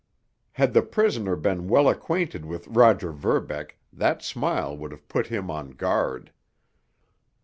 Had the prisoner been well acquainted with Roger Verbeck that smile would have put him on guard.